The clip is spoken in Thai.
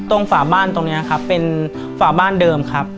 ตรงฝาบ้านตรงนี้เป็นฝาบ้านเดิมครับ